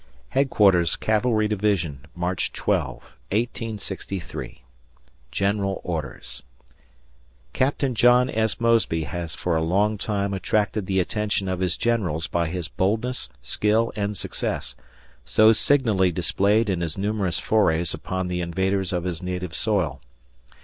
Headquarters Cavalry Division, March 12, 1863. General Orders. Captain John S. Mosby has for a long time attracted the attention of his generals by his boldness, skill, and success, so signally displayed in his numerous forays upon the invaders of his native soil.